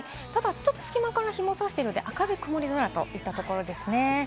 隙間から日も射しているので、明るい曇り空といったところです。